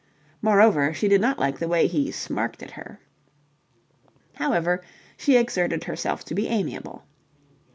Moreover, she did not like the way he smirked at her. However, she exerted herself to be amiable.